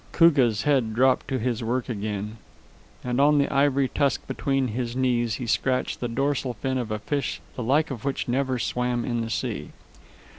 Koogah's head dropped to his work again, and on the ivory tusk between his knees he scratched the dorsal fin of a fish the like of which never swam in the sea.